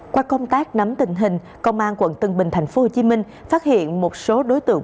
qua công tác nắm tình hình công an quận tân bình tp hcm phát hiện một số đối tượng